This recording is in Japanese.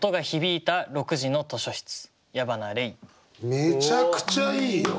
めちゃくちゃいいよ。